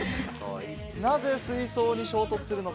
なぜ水槽に衝突するのか？